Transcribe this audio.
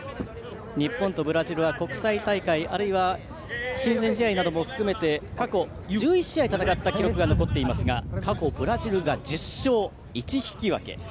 日本とブラジルは国際大会あるいは親善試合なども含めて過去１１試合戦った記録が残っていますが過去ブラジルが１０勝１引き分け。